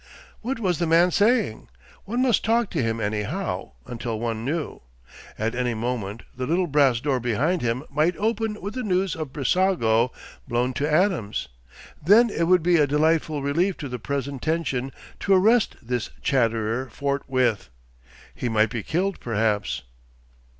What was the man saying? One must talk to him anyhow until one knew. At any moment the little brass door behind him might open with the news of Brissago blown to atoms. Then it would be a delightful relief to the present tension to arrest this chatterer forthwith. He might be killed perhaps.